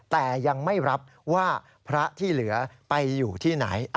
แต่ยังไม่รับว่าพระที่เหลือไปอยู่ที่ไหน